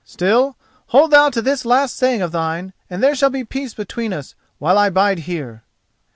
Still, hold thou to this last saying of thine and there shall be peace between us while I bide here."